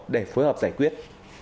để phối hợp giải quyết